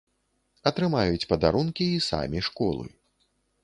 Атрымаюць падарункі і самі школы.